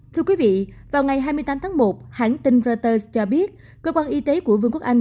thưa quý vị vào ngày hai mươi tám tháng một hãng tin reuters cho biết cơ quan y tế của vương quốc anh